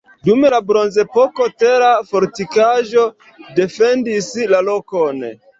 Dum la bronzepoko tera fortikaĵo defendis la lokon.